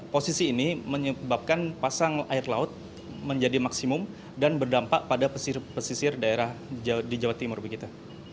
posisi ini menyebabkan pasang air laut menjadi maksimum dan berdampak pada pesisir daerah di jawa timur begitu